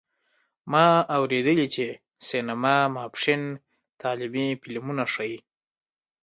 ما اوریدلي چې سینما ماسپښین تعلیمي فلمونه ښیې